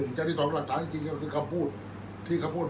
อันไหนที่มันไม่จริงแล้วอาจารย์อยากพูด